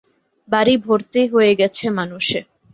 বাড়ি ভর্তি হয়ে গেছে মানুষে।